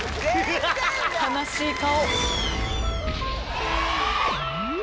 悲しい顔。